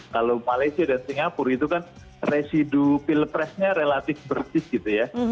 kalau malaysia dan singapura itu kan residu pilpresnya relatif bersih gitu ya